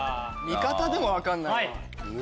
味方でも分かんないわ。